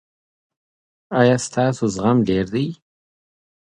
ایا ستاسو زغم ډیر دی؟